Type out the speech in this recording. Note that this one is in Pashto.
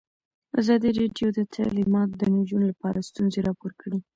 ازادي راډیو د تعلیمات د نجونو لپاره ستونزې راپور کړي.